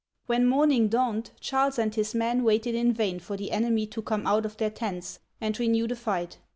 When morning dawned, Charles and his men waited in vain for the enemy to come out of their tents and renew the fight.